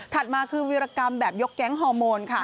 มาคือวิรกรรมแบบยกแก๊งฮอร์โมนค่ะ